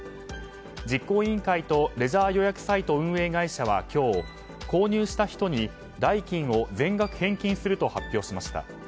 実行委員会とレジャー予約サイト運営会社は今日、購入した人に代金を全額返金すると発表しました。